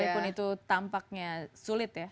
walaupun itu tampaknya sulit ya